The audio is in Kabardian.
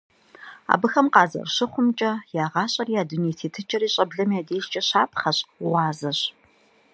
Абыхэм къазэрыщыхъумкӀэ, я гъащӀэри я дуней тетыкӀэри щӀэблэм я дежкӀэ щапхъэщ, гъуазэщ.